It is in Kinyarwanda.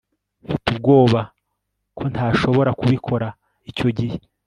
Mfite ubwoba ko ntashobora kubikora icyo gihe